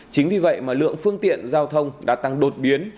chính vì vậy mà lượng phương tiện giao thông đã tăng đột biến